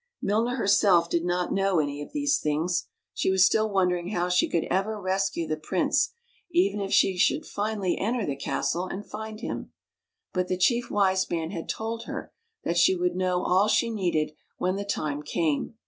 Milna herself did not know any of these things. She was still wondering how she could ever rescue the prince, even if she should finally enter the castle and find him; but the Chief Wise Man had told her that she would know all she needed when the time came.